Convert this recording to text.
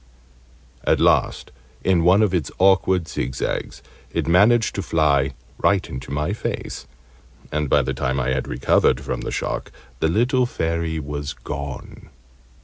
At last, in one of its awkward zigzags, it managed to fly right into my face, and, by the time I had recovered from the shock, the little Fairy was gone.